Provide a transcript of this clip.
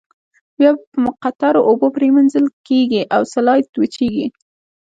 بیا په مقطرو اوبو پریمنځل کیږي او سلایډ وچیږي.